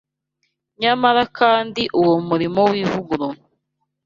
nyamara kandi uwo murimo w’ivugurura